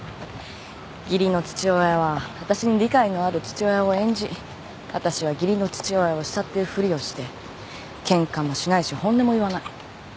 義理の父親はわたしに理解のある父親を演じわたしは義理の父親を慕ってるふりをしてケンカもしないし本音も言わない。